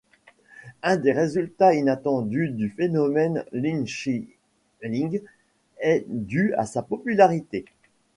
Un des résultats inattendus du phénomène Lin Chi-ling est dû à sa popularité.